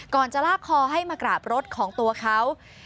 จะลากคอให้มากราบรถของตัวเขา